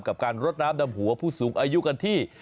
กับการรดน้ำดำหัวผู้สูงอายุกันที่